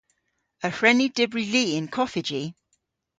Y hwren ni dybri li yn koffiji.